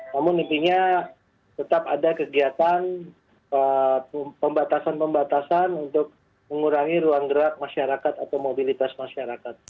namun intinya tetap ada kegiatan pembatasan pembatasan untuk mengurangi ruang gerak masyarakat atau mobilitas masyarakat